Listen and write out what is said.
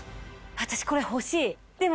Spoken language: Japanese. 私これ欲しいでも。